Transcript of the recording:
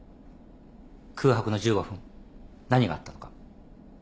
空白の１５分何があったのか。